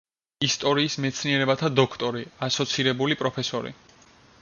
ისტორიის მეცნიერებათა დოქტორი, ასოცირებული პროფესორი.